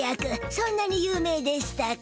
そんなに有名でしたか。